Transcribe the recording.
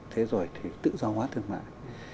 thế rồi thì tự do hóa thương mại